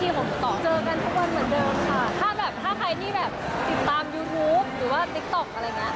เหมือนเดิมค่ะแต่ว่าพี่เค้าก็มีละคร